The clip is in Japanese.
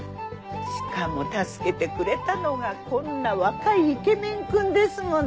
しかも助けてくれたのがこんな若いイケメン君ですもの。